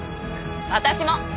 私も。